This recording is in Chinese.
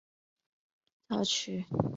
教区位于辛吉达区。